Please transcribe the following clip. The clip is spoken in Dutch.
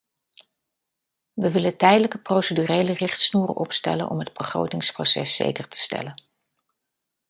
We willen tijdelijke procedurele richtsnoeren opstellen om het begrotingsproces zeker te stellen.